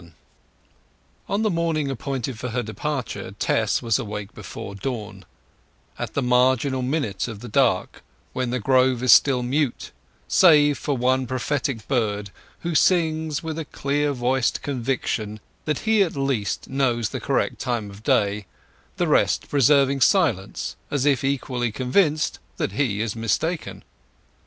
VII On the morning appointed for her departure Tess was awake before dawn—at the marginal minute of the dark when the grove is still mute, save for one prophetic bird who sings with a clear voiced conviction that he at least knows the correct time of day, the rest preserving silence as if equally convinced that he is mistaken.